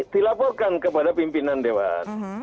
dilaporkan kepada pimpinan dewan